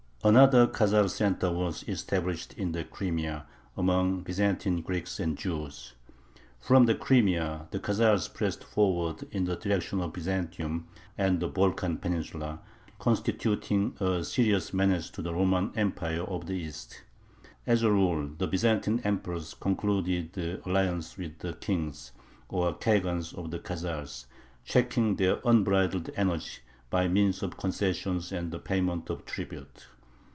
Another Khazar center was established in the Crimea, among Byzantine Greeks and Jews. From the Crimea the Khazars pressed forward in the direction of Byzantium and the Balkan Peninsula, constituting a serious menace to the Roman Empire of the East. As a rule, the Byzantine emperors concluded alliances with the kings, or khagans, of the Khazars, checking their unbridled energy by means of concessions and the payment of tribute.